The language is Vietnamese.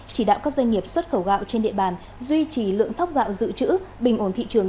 chỉ đạo các doanh nghiệp xuất khẩu gạo trên địa bàn duy trì lượng thóc gạo dự trữ bình ổn thị trường